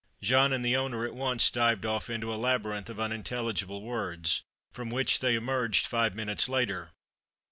Jean and the owner at once dived off into a labyrinth of unintelligible words, from which they emerged five minutes later.